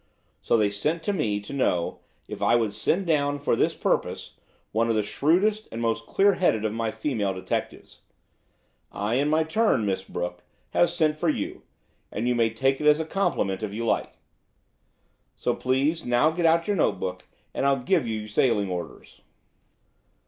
So they sent to me to know if I would send down for this purpose one of the shrewdest and most clear headed of my female detectives. I, in my turn, Miss Brooke, have sent for you–you may take it as a compliment if you like. So please now get out your note book, and I'll give you sailing orders."